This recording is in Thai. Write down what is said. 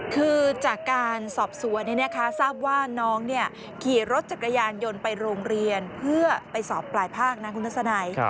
คือจากการสอบสวนทราบว่าน้องขี่รถจักรยานยนต์ไปโรงเรียนเพื่อไปสอบปลายภาคนะคุณทัศนัย